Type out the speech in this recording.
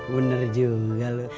bener juga lo